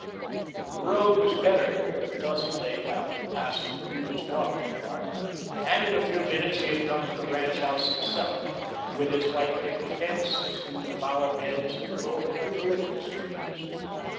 The road was better here, the dust laid after the passage of Hooven's watering cart, and, in a few minutes, he had come to the ranch house itself, with its white picket fence, its few flower beds, and grove of eucalyptus trees.